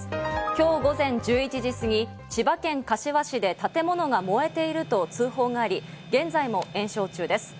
今日午前１１時すぎ、千葉県柏市で建物が燃えていると通報があり、現在も延焼中です。